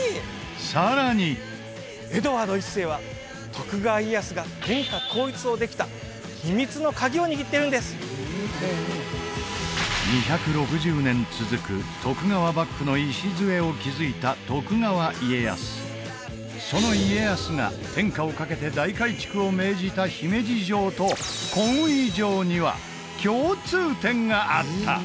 さらにエドワード１世は徳川家康が天下統一をできた秘密のカギを握ってるんです２６０年続く徳川幕府の礎を築いた徳川家康その家康が天下をかけて大改築を命じた姫路城とコンウィ城には共通点があった！